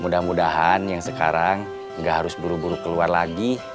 mudah mudahan yang sekarang nggak harus buru buru keluar lagi